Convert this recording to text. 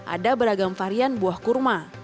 ada beragam varian buah kurma